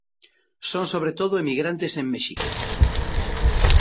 Son sobre todo emigrantes en México.